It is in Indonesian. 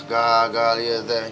gagal ya teh